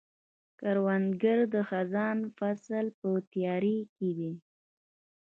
کروندګر د خزان فصل په تیاري کې دی